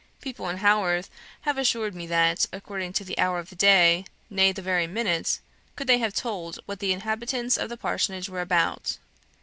People in Haworth have assured me that, according to the hour of day nay, the very minute could they have told what the inhabitants of the parsonage were about.